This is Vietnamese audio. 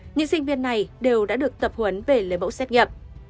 những sinh viên này đều đã được tập huấn về lấy mẫu xét nghiệm